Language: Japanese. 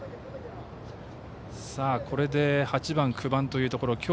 これで８番、９番というところ。